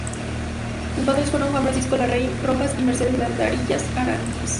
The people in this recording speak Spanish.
Sus padres fueron Juan Francisco Larraín Rojas y Mercedes Gandarillas Aránguiz.